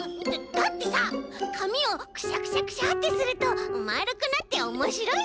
だってさかみをクシャクシャクシャッてするとまるくなっておもしろいんだもん。